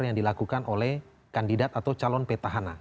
yang dilakukan oleh kandidat atau calon petahana